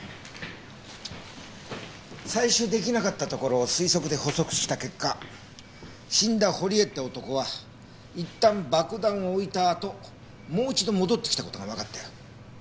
採取出来なかったところを推測で補足した結果死んだ堀江って男はいったん爆弾を置いたあともう一度戻ってきた事がわかったよ。